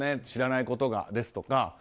知らないことがですとか。